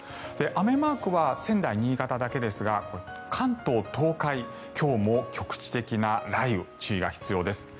雨マークは仙台、新潟だけですが関東、東海は今日も局地的な雷雨注意が必要です。